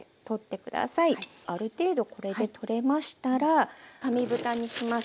ある程度これで取れましたら紙ぶたにします。